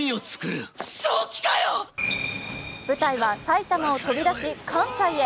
舞台は埼玉を飛び出し、関西へ。